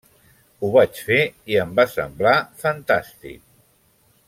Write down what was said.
Ho vaig fer i em va semblar fantàstic.